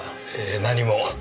何も。